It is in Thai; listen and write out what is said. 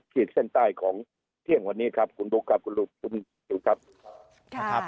ขีดเส้นใต้ของเที่ยงวันนี้ครับคุณบุ๊คครับคุณลูกคุณดูครับ